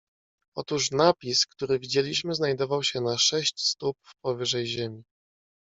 "Otóż napis, który widzieliśmy, znajdował się na sześć stóp powyżej ziemi."